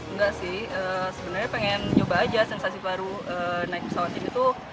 enggak sih sebenarnya pengen nyoba aja sensasi baru naik pesawat ini tuh